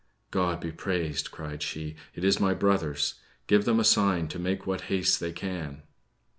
"God be praised!" cried she; "it is my brothers. Give them a sign to make what haste they can."